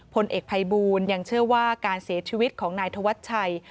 พลเอกภัยบูลยังเชื่อว่าการเสียชีวิตของนายธวัชชัย